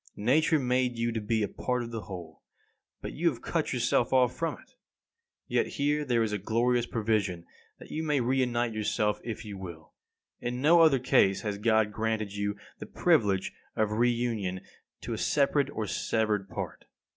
Nature made you to be a part of the whole, but you have cut yourself off from it. Yet here there is the glorious provision that you may re unite yourself if you will. In no other case has God granted the privilege of re union to a separated or severed part.